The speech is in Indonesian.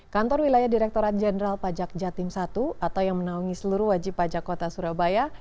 kantor wilayah direkturat jenderal pajak jatim i atau yang menaungi seluruh wajib pajak kota surabaya